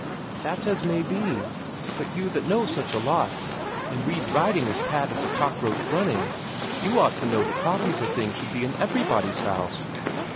"That's as it may be. But you that know such a lot, and read writing as pat as a cockroach running, you ought to know that coffee's a thing should be in everybody's house."